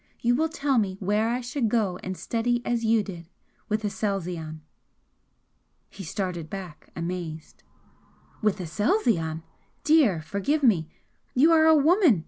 You will tell me where I should go and study as you did with Aselzion!" He started back, amazed. "With Aselzion! Dear, forgive me! You are a woman!